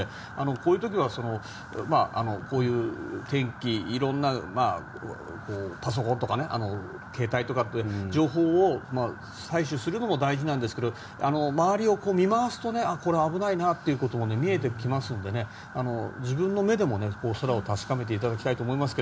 こういう時はいろんな、パソコンとか携帯とかで情報を採集するのも大事ですが周りを見回すと、ああこれは危ないなということも見えてきますので自分の目でも空を確かめていただきたいと思います。